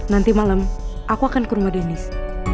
nanti malam aku akan ke rumah deniz